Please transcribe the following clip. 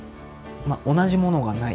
同じものがない。